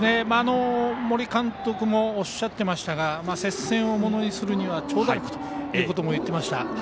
森監督もおっしゃってましたが接戦をものにするには長打力ということも言っていました。